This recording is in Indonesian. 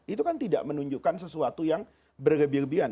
itu kan tidak menunjukkan sesuatu yang berlebihan